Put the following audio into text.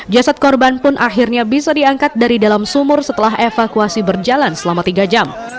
jasad korban pun akhirnya bisa diangkat dari dalam sumur setelah evakuasi berjalan selama tiga jam